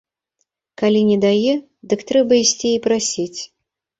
Калі не дае, дык трэба ісці і прасіць.